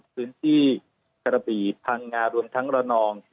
พื้นที่กระบี่พังงารวมทั้งระนอง